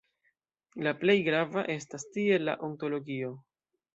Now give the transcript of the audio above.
La plej grava estas tie la ontologio.